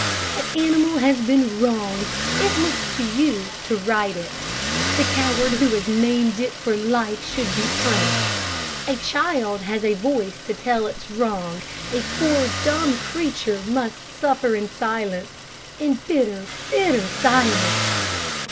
That animal has been wronged, it looks to you to right it. The coward who has maimed it for life should be punished. A child has a voice to tell its wrong a poor, dumb creature must suffer in silence; in bitter, bitter silence.